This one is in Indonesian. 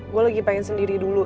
gue lagi pengen sendiri dulu